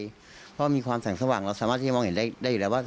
เพราะมีความแสงสว่างเราสามารถที่จะมองเห็นได้อยู่แล้วว่า